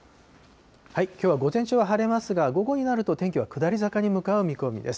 きょうは午前中は晴れますが、午後になると、天気は下り坂に向かう見込みです。